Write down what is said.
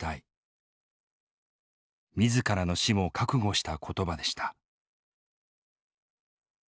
自らの死も覚悟した言葉でした。